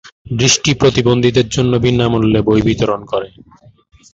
দৃষ্টি প্রতিবন্ধীদের জন্য বিনামূল্যে বই বিতরণ করে।